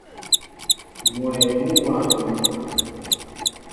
Mwɛy ń wa mi.